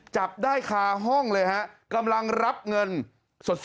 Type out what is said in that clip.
จับได้คาห้องเลยฮะกำลังรับเงินสด